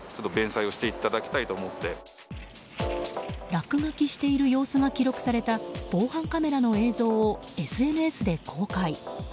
落書きしている様子が記録された防犯カメラの映像をＳＮＳで公開。